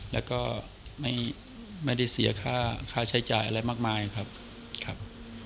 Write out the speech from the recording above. แล้วก็ไม่ได้เสียค่าใช้จ่ายอะไรมากมายครับ